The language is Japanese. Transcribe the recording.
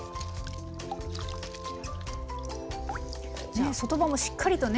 ねっ外葉もしっかりとね